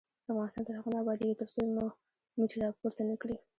افغانستان تر هغو نه ابادیږي، ترڅو مو مټې راپورته نه کړي.